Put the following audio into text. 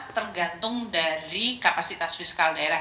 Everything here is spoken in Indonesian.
tergantung dari kapasitas fiskal daerah